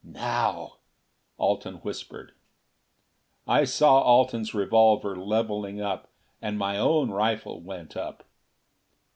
"Now!" Alten whispered. I saw Alten's revolver leveling, and my own rifle went up.